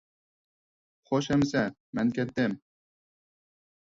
خوش ئەمىسە، مەن كەتتىم!